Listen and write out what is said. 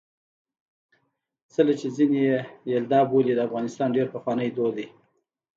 څِله چې ځيني يې یلدا بولي د افغانستان ډېر پخوانی دود دی.